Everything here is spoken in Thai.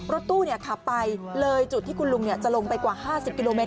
รถตู้ขับไปเลยจุดที่คุณลุงจะลงไปกว่า๕๐กิโลเมต